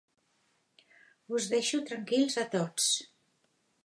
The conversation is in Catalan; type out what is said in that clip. Us deixo tranquils a tots